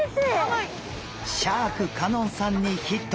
シャーク香音さんにヒット！